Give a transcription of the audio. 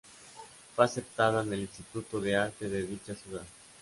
Fue aceptada en el Instituto de Arte de dicha ciudad.